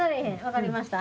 分かりました。